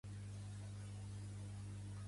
Des d'este moment va quedar com a cap de la baronia